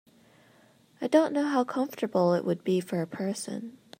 I don’t know how comfortable it would be for a person.